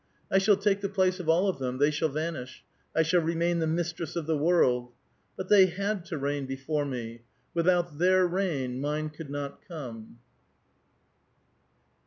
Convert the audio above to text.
I shall take the place of all of them ; they shall vanish ; I shall remain the mistress of the world. But they had to reign before me ; without their reign, mine could not come.